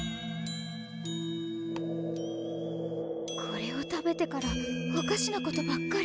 これを食べてからおかしなことばっかり。